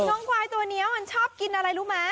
น้องควายตัวนี้มันชอบกินอะไรรู้ไหม